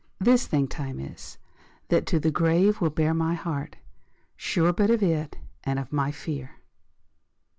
This thing Time is, that to the grave will bear My heart, sure but of it and of my fear.